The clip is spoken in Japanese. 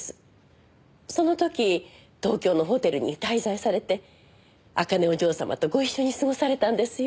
その時東京のホテルに滞在されて茜お嬢様とご一緒に過ごされたんですよ。